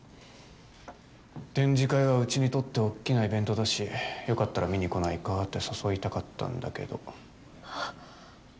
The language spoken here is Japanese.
展示会はうちにとっておっきなイベントだしよかったら見に来ないかって誘いたかったんだけどあっ